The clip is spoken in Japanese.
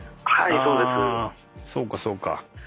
そうかそうか。